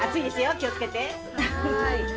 気をつけて。わ！